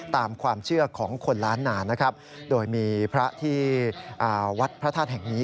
ตามความเชื่อของคนล้านนานะครับโดยมีพระที่วัดพระธาตุแห่งนี้